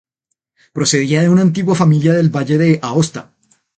Procedía de una antigua familia del Valle de Aosta.